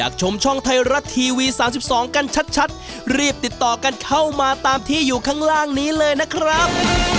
ขอบคุณนะครับ